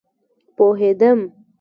پوهیدم